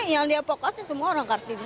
yang dievokasi semua orang kartini